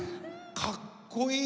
かっこいい！